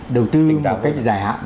đầu tư một cách dài hạn